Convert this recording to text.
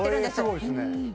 すごいっすね